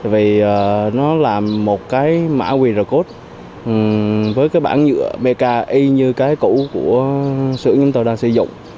vì nó là một cái mã qr code với cái bản nhựa pki như cái cũ của sửa chúng tôi đang sử dụng